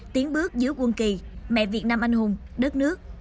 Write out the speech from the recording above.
tiến bước dưới quân kỳ mẹ việt nam anh hùng đất nước